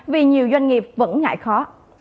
vì nhiều doanh nghiệp vẫn ngại khó